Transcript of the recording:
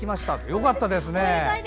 よかったですね。